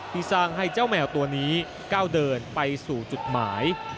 ที่สร้างให้เจ้าแมวตัวนี้ก้าวเดินไปสู่จุดหมาย